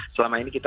selama ini kita